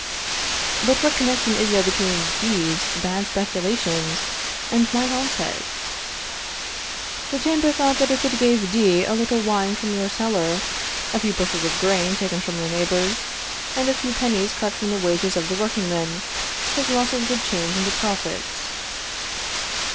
But what connection is there between D 's bad speculations and my hogshead? The Chamber thought that if it gave D a little wine from your cellar, a few bushels of grain taken from your neighbors, and a few pennies cut from the wages of the workingmen, his losses would change into profits.